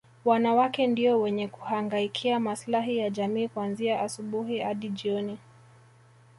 Wanawake ndio wenye kuhangaikia maslahi ya jamii kuanzia asubuhi hadi jioni